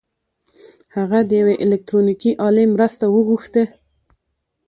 هغه د يوې الکټرونيکي الې مرسته وغوښته.